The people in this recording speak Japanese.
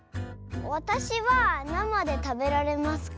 わたしはなまでたべられますか？